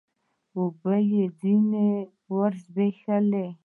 اوبه يې ځيني و زبېښلې